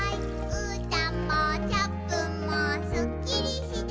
「うーたんもチャップンもスッキリして」